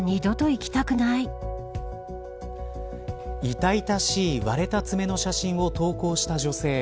痛々しい割れた爪の写真を投稿した女性。